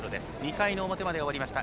２回の表まで終わりました。